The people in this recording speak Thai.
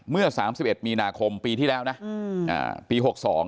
เมื่อ๓๑มีนาคมปีที่แล้วนะปี๖๒